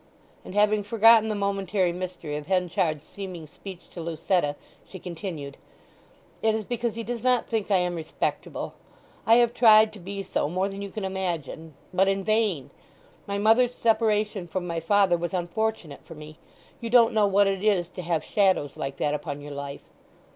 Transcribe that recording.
And having forgotten the momentary mystery of Henchard's seeming speech to Lucetta she continued, "It is because he does not think I am respectable. I have tried to be so more than you can imagine, but in vain! My mother's separation from my father was unfortunate for me. You don't know what it is to have shadows like that upon your life."